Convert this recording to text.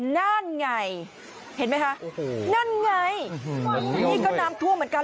นั่นไงเห็นไหมคะนั่นไงนี่ก็น้ำท่วมเหมือนกัน